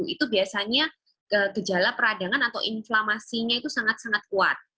itu biasanya gejala peradangan atau inflamasinya itu sangat sangat kuat